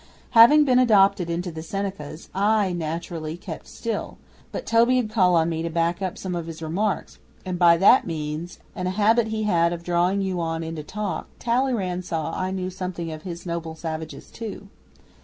Having been adopted into the Senecas I, naturally, kept still, but Toby 'ud call on me to back up some of his remarks, and by that means, and a habit he had of drawing you on in talk, Talleyrand saw I knew something of his noble savages too.